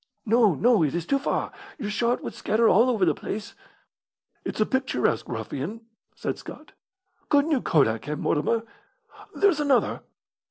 "No, no; it is too far. Your shot would scatter all over the place." "It's a picturesque ruffian," said Scott. "Couldn't you kodak him, Mortimer? There's another!"